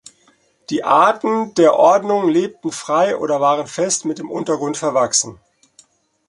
Die Arten der Ordnung lebten frei oder waren fest mit dem Untergrund verwachsen.